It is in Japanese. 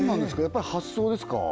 やっぱり発想ですか？